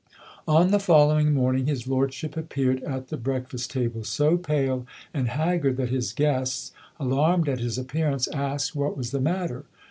On the following morning his lordship appeared at the breakfast table so pale and haggard that his guests, alarmed at his appearance, asked what was the matter.